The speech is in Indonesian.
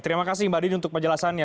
terima kasih mbak dini untuk penjelasannya